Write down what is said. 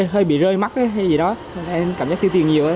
hơi bị rơi mắt hay gì đó em cảm giác ti tiền nhiều